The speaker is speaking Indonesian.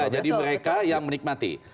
jadi mereka yang menikmati